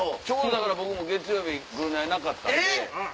だから僕も月曜日『ぐるナイ』なかったんで。